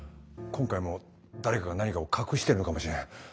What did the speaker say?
今回も誰かが何かを隠してるのかもしれない。